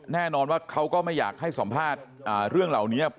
แน่นอนว่าเขาก็ไม่อยากให้สัมภาษณ์เรื่องเหล่านี้